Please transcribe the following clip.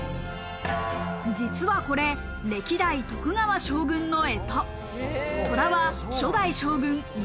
実はこれ、歴代徳川将軍の干支。